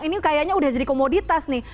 ini kayaknya udah jadi komoditas nih